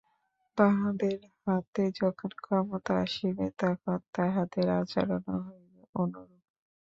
তাহাদের হাতে যখন ক্ষমতা আসিবে, তখন তাহাদের আচরণও হইবে অনুরূপ।